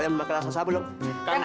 dia po tadi angg deployin